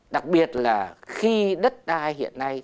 đặc biệt là khi đất đai hiện nay